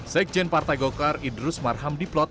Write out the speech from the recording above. sekjen partai golkar idrus marham diplot